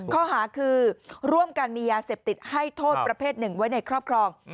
ข้อหาคือร่วมกันมียาเสพติดให้โทษประเภทหนึ่งไว้ในครอบครอง